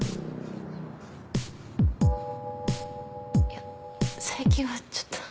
いや最近はちょっと。